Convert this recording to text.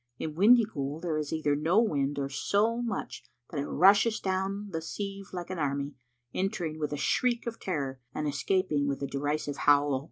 In Windyghoul there is either no wind or so much that it rushes down the sieve like an army, entering with a shriek of terror, and escaping with a derisive howl.